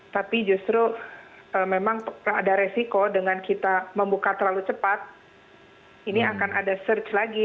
tapi justru memang ada resiko dengan kita membuka terlalu cepat ini akan ada search lagi